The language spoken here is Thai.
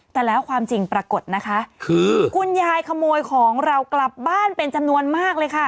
แต่แล้วความจริงปรากฏนะคะคือคุณยายขโมยของเรากลับบ้านเป็นจำนวนมากเลยค่ะ